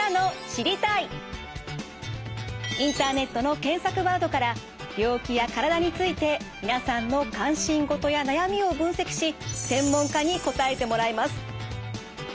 インターネットの検索ワードから病気や体について皆さんの関心事や悩みを分析し専門家に答えてもらいます。